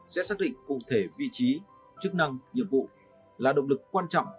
sẽ xác định cụ thể vị trí chức năng nhiệm vụ là động lực quan trọng